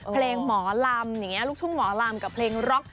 เพลงหมอลำอย่างนี้ลูกทุ่งหมอลำกับเพลงร็อก